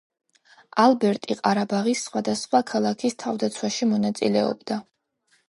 ალბერტი ყარაბაღის სხვადასხვა ქალაქის თავდაცვაში მონაწილეობდა.